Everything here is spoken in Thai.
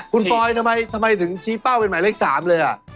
คุณปอยทำไมถึงชี้เป้าเป็นหมายเลข๓เลย